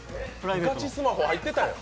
ガチスマホ、入ってたんや。